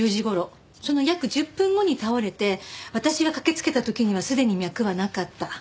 その約１０分後に倒れて私が駆けつけた時にはすでに脈はなかった。